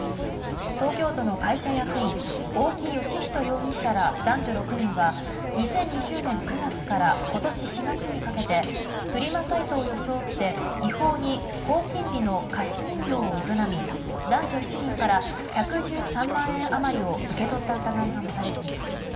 東京都の会社役員大木美仁容疑者ら男女６人は２０２０年９月から今年４月にかけてフリマサイトを装って違法に高金利の貸金業を営み男女７人から１１３万円余りを受け取った疑いが持たれています。